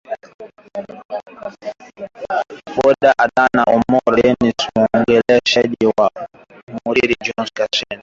Bodha Adano Umuro Dennis Mwongela Joseph Muriira John Koskei Siyat